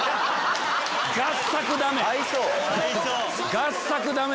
合作ダメ！